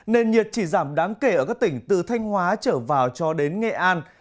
nền nhiệt chỉ giảm đáng kể ở các tỉnh từ thanh hóa trở vào cho đến nghệ an